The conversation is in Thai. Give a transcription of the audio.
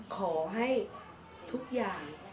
ขอให้ทุกอย่าง